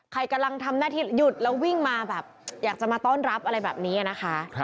ใครกำลังทำหน้าที่หยุดแล้ววิ่งมาแบบอยากจะมาต้อนรับอะไรแบบนี้นะคะ